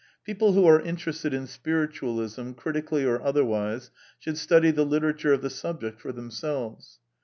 People who are interested in Spiritual ism," critically or otherwise, should study the literature of the subject for themselves.